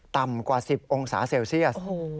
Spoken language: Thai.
ต่ำกว่า๑๐องศาเซลเซียส